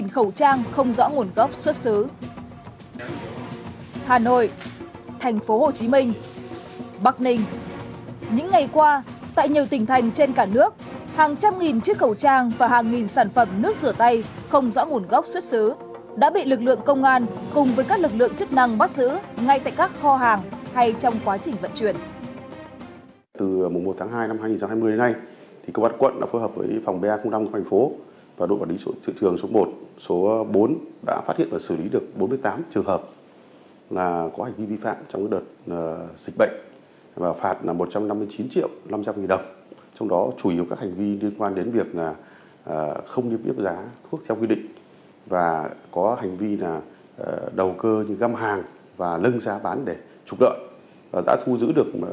không rõ nguồn gốc xuất xứ đã bị lực lượng công an cùng với các lực lượng chức năng bắt giữ